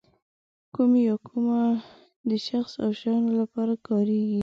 کوم یا کومه د شخص او شیانو لپاره کاریږي.